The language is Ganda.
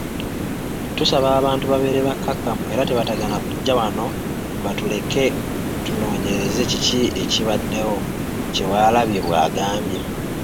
“Tusaba abantu babeere bakkakkamu era tebategana kujja wano batuleke tunoonyereze kiki ekibaddewo,” Kyewalabye bw'agambye.